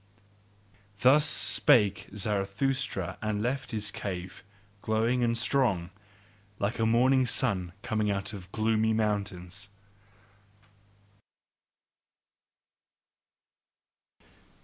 Thus spake Zarathustra and left his cave, glowing and strong, like a morning sun coming out of gloomy mountains.